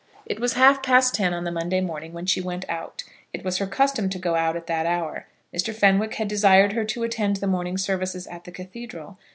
It was half past ten on the Monday morning when she went out. It was her custom to go out at that hour. Mr. Fenwick had desired her to attend the morning services at the Cathedral.